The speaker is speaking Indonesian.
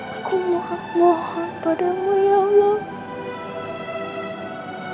aku mohon mohon padamu ya allah